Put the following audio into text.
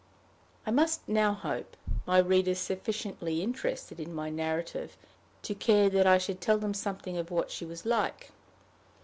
I must now hope my readers sufficiently interested in my narrative to care that I should tell them something of what she was like.